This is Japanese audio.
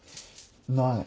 ない。